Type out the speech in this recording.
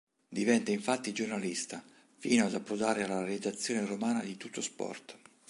Diventa infatti giornalista, fino ad approdare alla redazione romana di "Tuttosport".